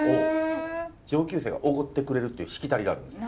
上級生がおごってくれるっていうしきたりがあるんですよ。